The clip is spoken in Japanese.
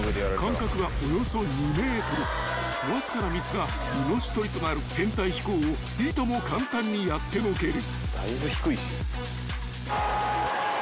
［わずかなミスが命取りとなる編隊飛行をいとも簡単にやってのける］